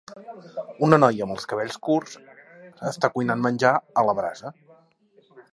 Una noia amb els cabells curts està cuinant menjar a la brasa.